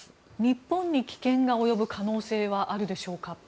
日本に危険が及ぶ可能性はあるでしょうか？